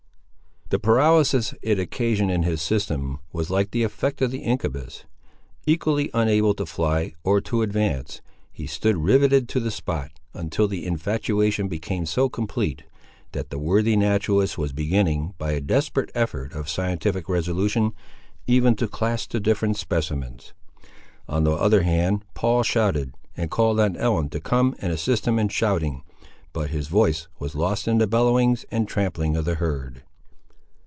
The paralysis it occasioned in his system, was like the effect of the incubus. Equally unable to fly or to advance, he stood riveted to the spot, until the infatuation became so complete, that the worthy naturalist was beginning, by a desperate effort of scientific resolution, even to class the different specimens. On the other hand, Paul shouted, and called on Ellen to come and assist him in shouting, but his voice was lost in the bellowings and trampling of the herd.